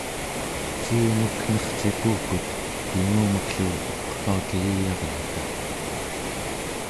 ciumek nerciqukut kingumek-llu aqvauteliyarluta